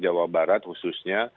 jawa barat khususnya